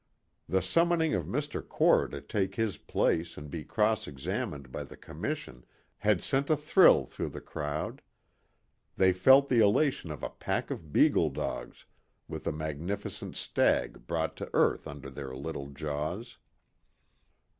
The summoning of Mr. Core to take his place and be cross examined by the Commission had sent a thrill through the crowd. They felt the elation of a pack of beagle dogs with a magnificent stag brought to earth under their little jaws.